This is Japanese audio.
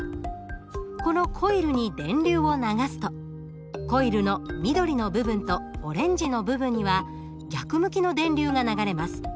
このコイルに電流を流すとコイルの緑の部分とオレンジの部分には逆向きの電流が流れます。